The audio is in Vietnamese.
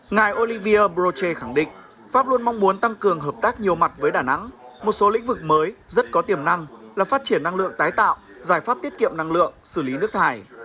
ngài olivier brochet khẳng định pháp luôn mong muốn tăng cường hợp tác nhiều mặt với đà nẵng một số lĩnh vực mới rất có tiềm năng là phát triển năng lượng tái tạo giải pháp tiết kiệm năng lượng xử lý nước thải